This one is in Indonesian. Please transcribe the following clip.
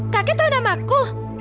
kakek tahu namaku